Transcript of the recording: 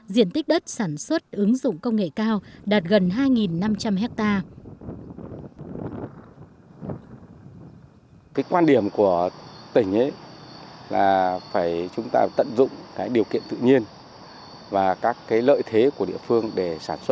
diện tích đất sản xuất ứng dụng công nghệ cao đạt gần hai năm trăm linh hectare